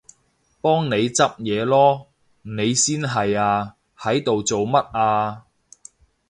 幫你執嘢囉！你先係啊，喺度做乜啊？